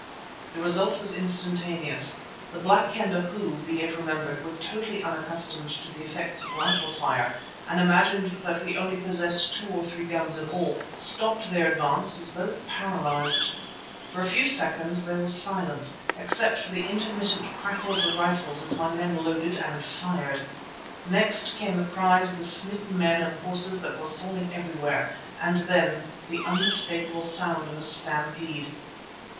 The result was instantaneous. The Black Kendah who, be it remembered, were totally unaccustomed to the effects of rifle fire and imagined that we only possessed two or three guns in all, stopped their advance as though paralyzed. For a few seconds there was silence, except for the intermittent crackle of the rifles as my men loaded and fired. Next came the cries of the smitten men and horses that were falling everywhere, and then—the unmistakable sound of a stampede.